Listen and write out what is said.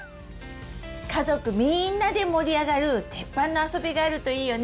家族みんなで盛り上がるテッパンのあそびがあるといいよね！